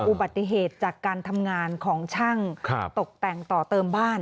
อุบัติเหตุจากการทำงานของช่างตกแต่งต่อเติมบ้าน